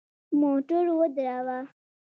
موټر ودروه !